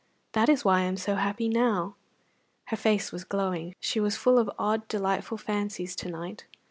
That is why I am so happy now." Her face was glowing. She was full of odd, delightful fancies to night.